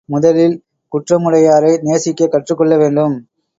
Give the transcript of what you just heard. முதலில் குற்றமுடையாரை நேசிக்கக் கற்றுக் கொள்ள வேண்டும்.